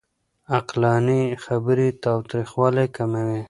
عقلاني خبرې تاوتريخوالی کموي.